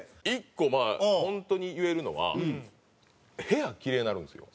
１個まあ本当に言えるのは部屋キレイになるんですよ。